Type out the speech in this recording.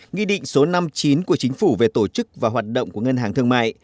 nghị định số năm mươi chín của chính phủ về tổ chức và hoạt động của ngân hàng thương mại